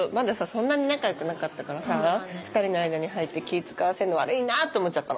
そんなに仲良くなかったからさ２人の間に入って気使わせるの悪いなと思っちゃったの。